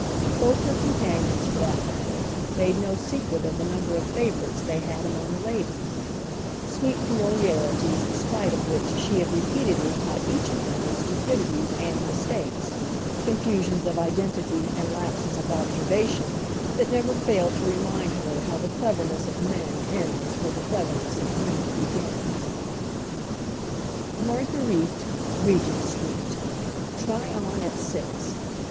Both her companions, for that matter, made no secret of the number of favourites they had among the ladies; sweet familiarities in spite of which she had repeatedly caught each of them in stupidities and mistakes, confusions of identity and lapses of observation that never failed to remind her how the cleverness of men ends where the cleverness of women begins. "Marguerite, Regent Street. Try on at six.